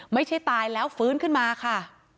ไม่ใช่ตายแล้วฟื้นขึ้นมาค่ะ